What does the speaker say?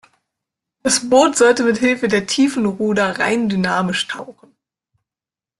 Das Boot sollte mithilfe der Tiefenruder rein dynamisch tauchen.